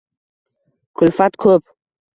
Kulfat ko’p…